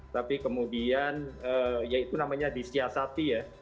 tapi kemudian ya itu namanya disiasati ya